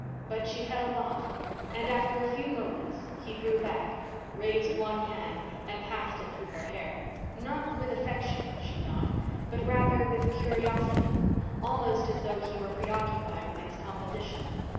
But she held off and, after a few moments, he drew, back, raised one hand and passed it through her hair. Not with affection, she thought, but rather with curiosity; almost as though he were preoccupied with its composition.